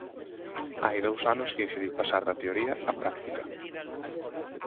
Hai dous anos que decidiu pasar da teoría á práctica.